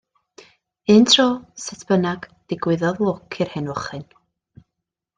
Un tro, sut bynnag, digwyddodd lwc i'r hen fochyn.